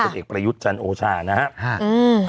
เด็กประยุทธ์จันทร์โอชานะฮะ